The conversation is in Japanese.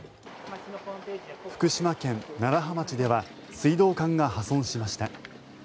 福島県楢葉町では水道管が破損しました。